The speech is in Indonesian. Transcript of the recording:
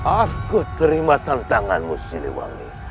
aku terima tantanganmu siliwangi